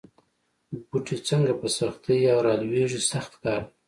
بوټی څنګه په سختۍ را لویېږي سخت کار دی.